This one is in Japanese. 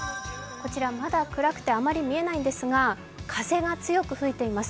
こちら、まだ暗くてあまり見えないんですが、風が強く吹いています。